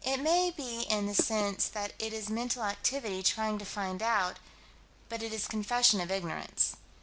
It may be in the sense that it is mental activity trying to find out, but it is confession of ignorance.